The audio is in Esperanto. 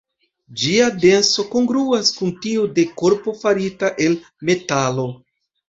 Ĝia denso kongruas kun tiu de korpo farita el metalo.